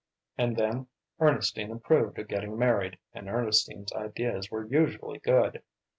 And then Ernestine approved of getting married, and Ernestine's ideas were usually good.